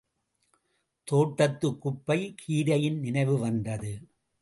தோட்டத்துக் குப்பைக் கீரையின் நினைவு வந்தது.